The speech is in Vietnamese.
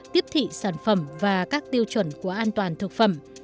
tiếp thị sản phẩm và các tiêu chuẩn của an toàn thực phẩm